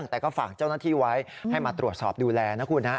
แต่ก็ฝากเจ้าหน้าที่ไว้ให้มาตรวจสอบดูแลนะคุณฮะ